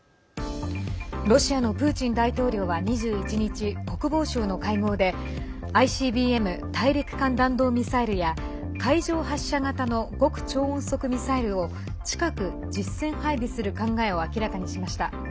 ロシアのプーチン大統領は２１日、国防省の会合でＩＣＢＭ＝大陸間弾道ミサイルや海上発射型の極超音速ミサイルを近く実戦配備する考えを明らかにしました。